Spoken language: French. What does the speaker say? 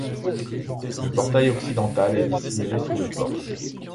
Le portail occidental est dissimulé sous le porche.